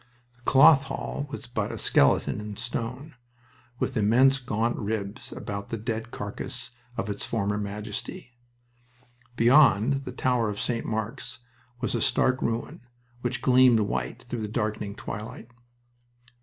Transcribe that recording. The Cloth Hall was but a skeleton in stone, with immense gaunt ribs about the dead carcass of its former majesty. Beyond, the tower of St. Mark's was a stark ruin, which gleamed white through the darkening twilight.